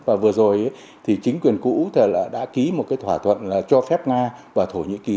và vừa rồi thì chính quyền cũ đã ký một cái thỏa thuận cho phép nga và thổ nhĩ kỳ